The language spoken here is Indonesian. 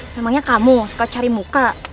memangnya kamu suka cari muka